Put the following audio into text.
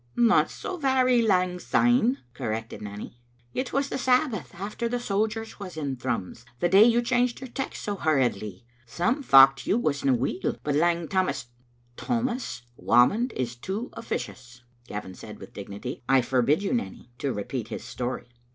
No so very lang syne," corrected Nanny. It was the Sabbath after the sojers was in Thrums; the day you changed your text so hurriedly. Some thocht you wasna weel, but Lang Tammas "" Thomas Whamond is too officious," Gavin said with dignity. " I forbid you, Nanny, to repeat his story."